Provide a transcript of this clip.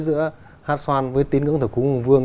giữa hát xoan với tín ngưỡng thờ cúng hùng vương